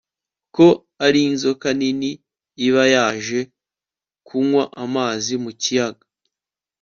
ko ari inzoka nini iba yaje kunywa amazi mu kiyaga